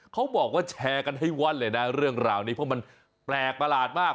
เขาบอกว่าแชร์กันให้ว่อนเลยนะเรื่องราวนี้เพราะมันแปลกประหลาดมาก